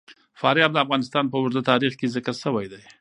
فاریاب د افغانستان په اوږده تاریخ کې ذکر شوی دی.